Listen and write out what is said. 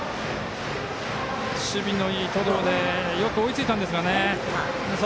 守備のいい登藤よく追いついたんですが。